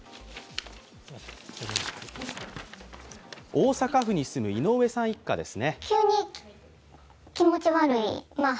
大阪府に住む井上さん一家です。